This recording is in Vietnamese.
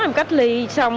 em cách ly xong